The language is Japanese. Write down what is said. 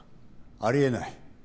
あり得ない。